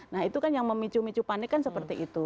nah itu kan yang memicu micu panik kan seperti itu